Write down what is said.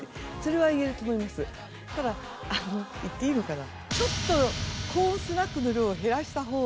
ただ言っていいのかな。